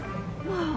まあ。